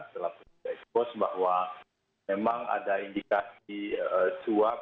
setelah kita expose bahwa memang ada indikasi suap